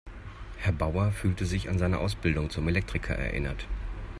Herr Bauer fühlte sich an seine Ausbildung zum Elektriker erinnert.